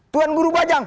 tuan guru bajang